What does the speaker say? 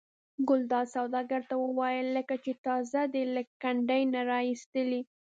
ګلداد سوداګر ته وویل لکه چې تازه دې له کندې را ایستلي.